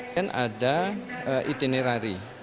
dan ada itinerari